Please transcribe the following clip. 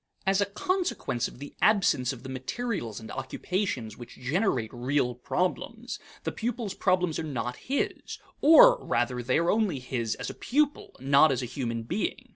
As a consequence of the absence of the materials and occupations which generate real problems, the pupil's problems are not his; or, rather, they are his only as a pupil, not as a human being.